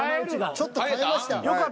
ちょっと変えました。